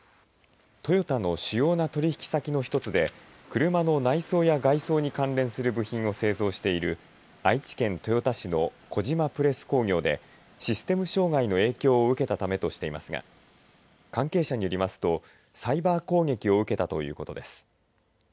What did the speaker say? トヨタの主要な取引先の一つで車の内装や外装に関連する部品を製造している愛知県豊田市の小島プレス工業でシステム障害の影響を受けたためとしていますが関係者によりますとサイバー攻撃を受けたということです。